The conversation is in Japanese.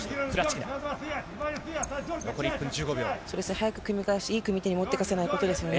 早く組み返して、いい組み手に持っていかせないことですね。